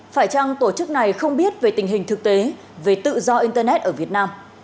phải chăng tổ chức này không biết về tình hình thực tế về tự do internet ở việt nam